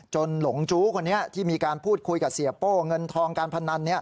หลงจู้คนนี้ที่มีการพูดคุยกับเสียโป้เงินทองการพนัน